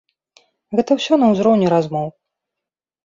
Гэта ўсё на ўзроўні размоў.